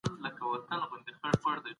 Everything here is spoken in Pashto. هغوی د ګرمو اوبو په څښلو بوخت دي.